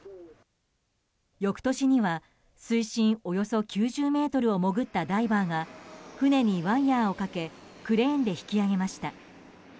翌年には水深およそ９０ｍを潜ったダイバーが船にワイヤをかけクレーンで引き揚げました。